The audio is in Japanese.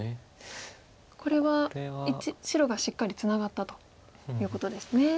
これは白がしっかりツナがったということですね。